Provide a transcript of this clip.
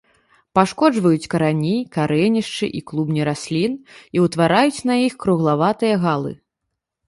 Пашкоджваюць карані, карэнішчы і клубні раслін і ўтвараюць на іх круглаватыя галы.